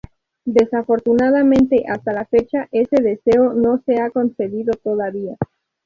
Desafortunadamente, hasta la fecha, ese deseo no se ha concedido todavía.